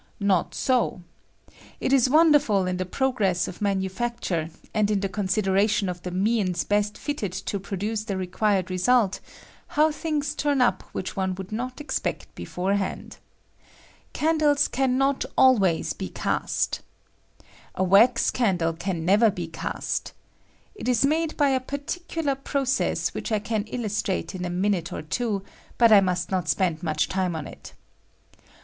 Not so. It is wonderful, in |^^_ the progress of manufacture, and in the consid ^^H eration of the means best fitted to produce the ^^H required result, how things turn up which one n my J TALLOW CANDLES. ^^H 'would not expect beforeliaiid. Candles can ^^H,'not always be cast A wax caudle can never ^^H be cast. It is made by a particular process ^^H which I can illustrate in a minute or two, but ^^F I must not spend much time on it.